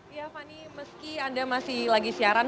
ya fani meski anda masih lagi siaran